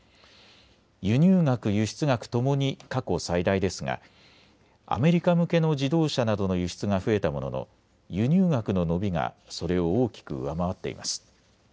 輸入額、輸出額ともに過去最大ですがアメリカ向けの自動車などの輸出が増えたものの輸入額の伸びがそれを大きく上回っています。